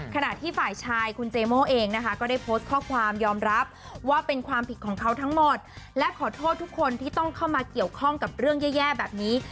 ขณะที่ฝ่ายชายคุณเจโม่เองนะคะก็ได้โพสต์ข้อความยอมรับว่าเป็นความผิดของเขาทั้งหมดและขอโทษทุกคนที่ต้องเข้ามาเกี่ยวข้องกับเรื่องแย่แบบนี้